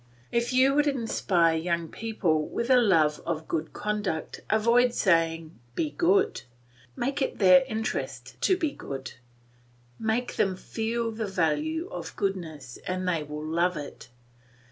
If you would inspire young people with a love of good conduct avoid saying, "Be good;" make it their interest to be good; make them feel the value of goodness and they will love it.